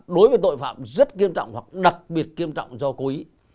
đối với tội phạm rất kiêm trọng hoặc đặc biệt kiêm trọng do cố ý